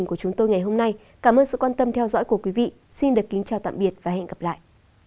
cảm ơn các bạn đã theo dõi và hẹn gặp lại